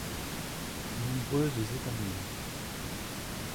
Nombreuses étamines.